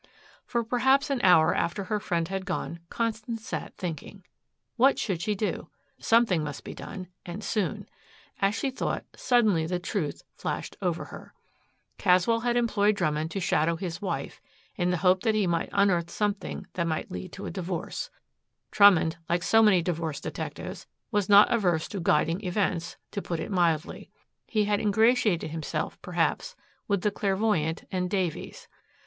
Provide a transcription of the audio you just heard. For perhaps an hour after her friend had gone, Constance sat thinking. What should she do? Something must be done and soon. As she thought, suddenly the truth flashed over her. Caswell had employed Drummond to shadow his wife in the hope that he might unearth something that might lead to a divorce. Drummond, like so many divorce detectives, was not averse to guiding events, to put it mildly. He had ingratiated himself, perhaps, with the clairvoyant and Davies.